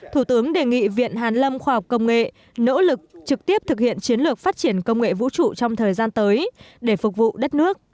thủ tướng đề nghị viện hàn lâm khoa học công nghệ nỗ lực trực tiếp thực hiện chiến lược phát triển công nghệ vũ trụ trong thời gian tới để phục vụ đất nước